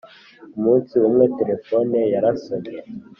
Umunsi umwe telefoni yarasonnye